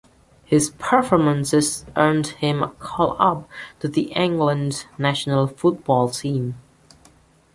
His performances earned him a call-up to the England national football team.